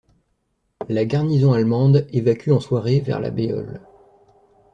La garnison allemande évacue en soirée vers la Béole.